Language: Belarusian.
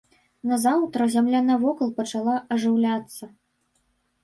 Назаўтра зямля навокал пачала ажыўляцца.